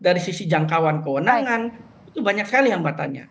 dari sisi jangkauan kewenangan itu banyak sekali hambatannya